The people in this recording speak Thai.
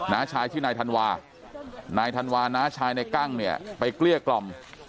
้าชายชื่อนายธันวานายธันวาน้าชายในกั้งเนี่ยไปเกลี้ยกล่อม